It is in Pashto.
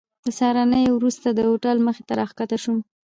د سهارنۍ وروسته د هوټل مخې ته راښکته شوم.